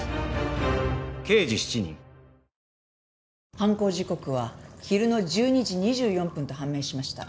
犯行時刻は昼の１２時２４分と判明しました。